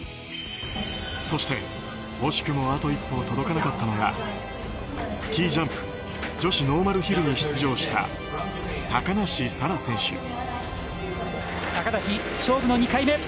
そして、惜しくもあと一歩届かなかったのがスキージャンプ女子ノーマルヒルに出場した高梨沙羅選手。